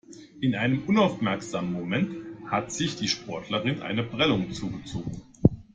In einem unaufmerksamen Moment hat sich die Sportlerin eine Prellung zugezogen.